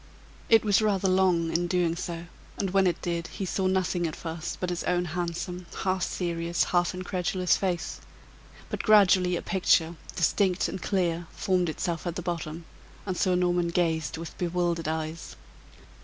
It was rather long in doing so, and when it did, he saw nothing at first but his own handsome, half serious, half incredulous face; but gradually a picture, distinct and clear, formed itself at the bottom, and Sir Norman gazed with bewildered eyes.